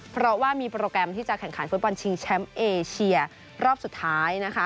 เพราะว่ามีโปรแกรมที่จะแข่งขันฟุตบอลชิงแชมป์เอเชียรอบสุดท้ายนะคะ